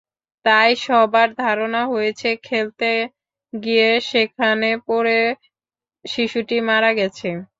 তাই সবার ধারণা হয়েছে, খেলতে গিয়ে সেখানে পড়ে শিশুটি মারা গেছে।